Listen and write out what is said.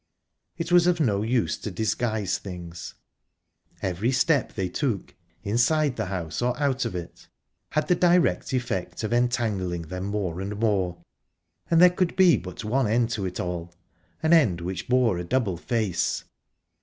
It was of no use to disguise things. Every step they took inside the house, or out of it had the direct effect of entangling them more and more, and there could be but one end to it all; an end which bore a double face.